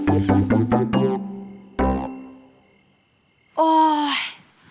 โอ๊ยโอ๊ย